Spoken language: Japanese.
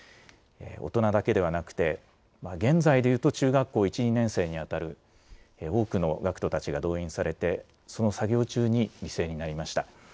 大人だけではなくて、現在でいうと中学校１、２年生に当たる多くの学徒たちが動員されて、その作業中に犠牲になりました。